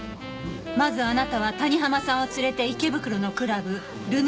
まずあなたは谷浜さんを連れて池袋のクラブルミエールへ行き。